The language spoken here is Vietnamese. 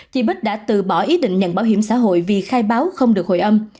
chị bích đã từ bỏ ý định nhận bảo hiểm xã hội vì khai báo không được hồi âm